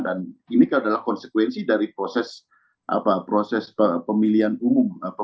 dan ini kan adalah konsekuensi dari proses pemilihan umum